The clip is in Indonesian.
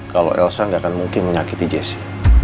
kalo elsa gak akan mungkin menyakiti jesse